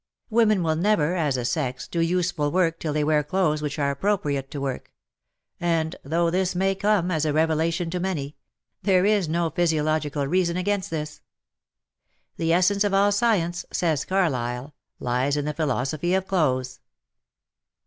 Women will never, as a sex, do useful work till they wear clothes which are appropriate to work, and — though this may come as a revelation to many — there is no physiological reason against this. "The essence of all science," says Carlyle, "lies in the philosophy of clothes."